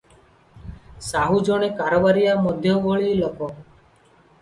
ସାହୁ ଜଣେ କାରବାରିଆ ମଧ୍ୟଭଳି ଲୋକ ।